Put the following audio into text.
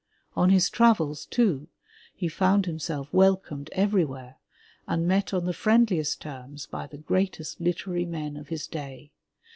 On his travels, too, he found himself welcomed every where and met on the friendliest terms by the greatest literary men of his day.